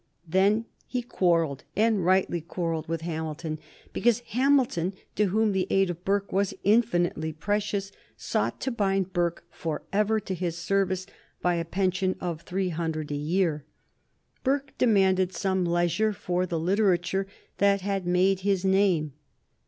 Then he quarrelled, and rightly quarrelled, with Hamilton, because Hamilton, to whom the aid of Burke was infinitely precious, sought to bind Burke forever to his service by a pension of three hundred a year. Burke demanded some leisure for the literature that had made his name.